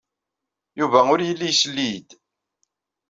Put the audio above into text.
Yuba ur yelli isell-iyi-d.